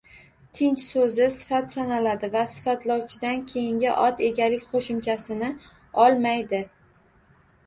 Tinch soʻzi sifat sanaladi va sifatlovchidan keyingi ot egalik qoʻshimchasini olmaydi